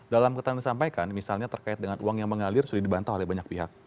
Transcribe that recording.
dalam keterangan yang disampaikan misalnya terkait dengan uang yang mengalir sudah dibantah oleh banyak pihak